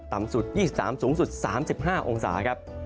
ต่ำสุด๒๓สูงสุด๓๕องศาครับ